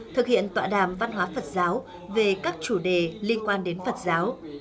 thực hiện tọa đàm văn hóa phật giáo về các chủ đề liên quan đến phật giáo